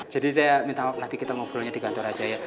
jadi saya minta waktu nanti kita ngobrolnya di kantor aja ya